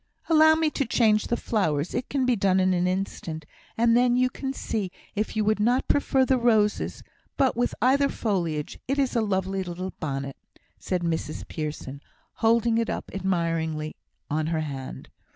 "Allow me to change the flowers; it can be done in an instant, and then you can see if you would not prefer the roses; but with either foliage it is a lovely little bonnet," said Mrs Pearson, holding it up admiringly on her hand.